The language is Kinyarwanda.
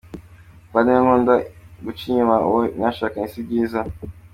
muvandimwe nkunda guca inyuma uwo mwashakanye sibyiza.